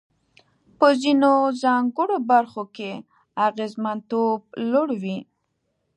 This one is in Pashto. په ځینو ځانګړو برخو کې اغېزمنتوب لوړ وي.